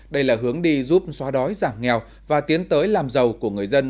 đây là hướng đi giúp xóa đói giảm nghèo và tiến tới làm giàu của người dân